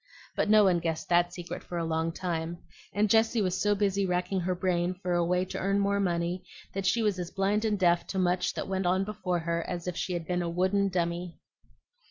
But no one guessed that secret for a long time; and Jessie was so busy racking her brain for a way to earn more money that she was as blind and deaf to much that went on before her as if she had been a wooden dummy.